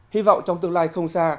hy vọng trong tương lai không xa